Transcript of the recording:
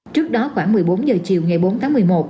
trước đó khoảng một mươi bốn h chiều ngày bốn tháng một mươi một